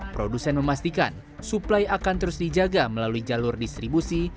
produsen memastikan suplai akan terus dijaga melalui jalur distribusi